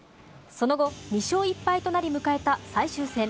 その後、２勝１敗となり迎えた最終戦。